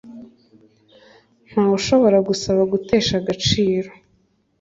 ntawe ushobora gusaba gutesha agaciro